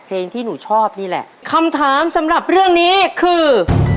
เพลงที่หนูชอบนี่แหละคำถามสำหรับเรื่องนี้คือ